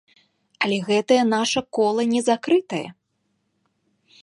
Але гэтае наша кола не закрытае!